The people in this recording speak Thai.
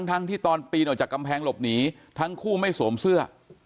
ทั้งที่ตอนปีนออกจากกำแพงหลบหนีทั้งคู่ไม่สวมเสื้อ